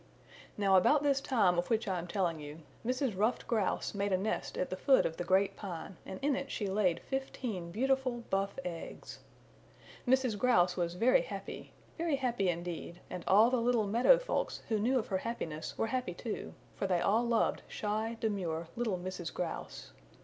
Now about this time of which I am telling you Mrs. Ruffed Grouse made a nest at the foot of the Great Pine and in it she laid fifteen beautiful buff eggs. Mrs. Grouse was very happy, very happy indeed, and all the little meadow folks who knew of her happiness were happy too, for they all loved shy, demure, little Mrs. Grouse.